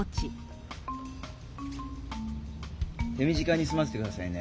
手短にすませて下さいね。